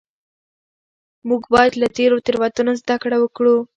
موږ باید له تیرو تېروتنو زده کړه وکړو.